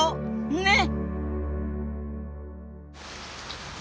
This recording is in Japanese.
ねっ！